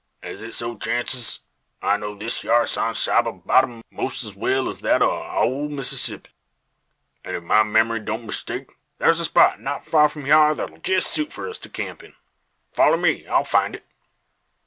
As it so chances, I know this hyar San Saba bottom 'most as well as that o' our ole Massissip. An' ef my mem'ry don't mistake, thar's a spot not far from hyar that'll jest suit for us to camp in. Foller me; I'll find it."